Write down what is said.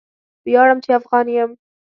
ویاړم چې افغان یم.